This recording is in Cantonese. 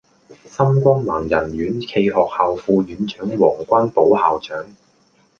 心光盲人院暨學校副院長黃君寶校長